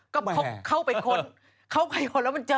ก็เข้าไปค้นเข้าไปค้นแล้วมันเจอ